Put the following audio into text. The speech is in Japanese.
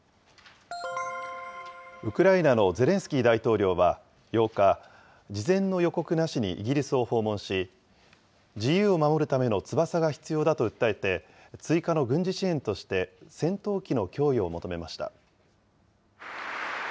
ウクライナのゼレンスキー大統領は８日、事前の予告なしにイギリスを訪問し、自由を守るための翼が必要だと訴えて、追加の軍事支援として、戦闘機の供与を求めました。